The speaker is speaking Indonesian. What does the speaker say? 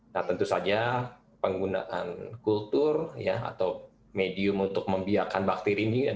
nah tentu saja penggunaan kultur atau medium untuk membiarkan bakteri ini